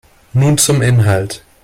Nun zum Inhalt.